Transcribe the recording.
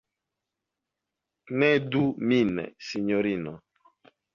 Knedu min, sinjorino!